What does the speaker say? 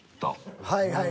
はい。